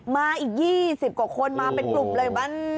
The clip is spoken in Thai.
มาอีก๒๐กว่าคนมาเป็นกลุ่มเลย